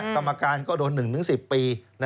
กรรมการก็โดน๑๑๐ปี